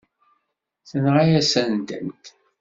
Tenɣa-yasent-tent.